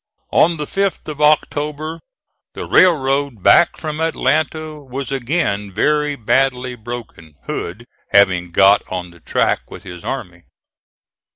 On the 5th of October the railroad back from Atlanta was again very badly broken, Hood having got on the track with his army.